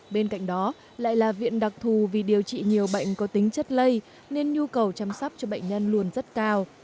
bên cạnh đó lại là viện đặc thù vì điều trị nhiều bệnh có tính chất lây nên nhu cầu chăm sóc cho bệnh nhân luôn rất cao